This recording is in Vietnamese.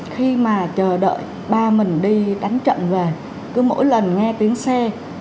khi mà chờ đợi ba mình đi đánh trận về cứ mỗi lần nghe tiếng xe